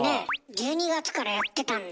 １２月からやってたんだ。